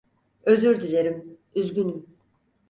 Özür dilerim, üzgünüm.